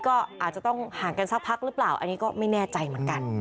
ก็อาจจะต้องห่างกันสักพักหรือเปล่าอันนี้ก็ไม่แน่ใจเหมือนกัน